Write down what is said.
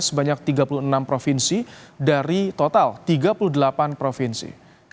sebanyak tiga puluh enam provinsi dari total tiga puluh delapan provinsi